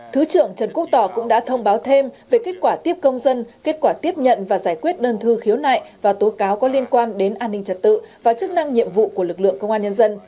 thứ trưởng trần quốc tỏ cũng đã thông báo thêm về kết quả tiếp công dân kết quả tiếp nhận và giải quyết đơn thư khiếu nại và tố cáo có liên quan đến an ninh trật tự và chức năng nhiệm vụ của lực lượng công an nhân dân